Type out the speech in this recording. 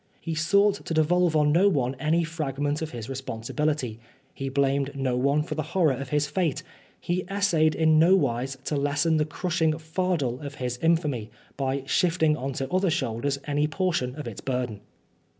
He sought to devolve on no one any fragment of his responsibility, he blamed no one for the horror of his fate, he essayed in nowise to lessen the crushing fardel of his infamy, by shifting on to other shoulders any portion of its burden.